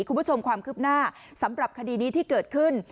คุณผู้ชมความคืบหน้าสำหรับคดีนี้ที่เกิดขึ้น